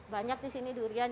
banyak di sini durian